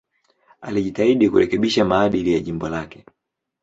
Alijitahidi kurekebisha maadili ya jimbo lake.